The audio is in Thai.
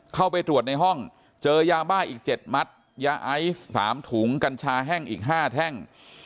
เข้าไปตรวจในห้องเจอยาบ้าอีก๗มัดยาไอซ์๓ถุงกัญชาแห้งอีก๕แท่ง